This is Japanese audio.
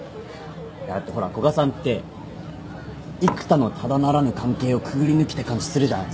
いやだってほら古賀さんって幾多のただならぬ関係をくぐり抜けた感じするじゃないですか。